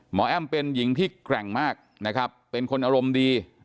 แอ้มเป็นหญิงที่แกร่งมากนะครับเป็นคนอารมณ์ดี